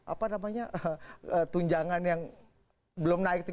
apa namanya tunjangan yang belum naik tiga belas tahun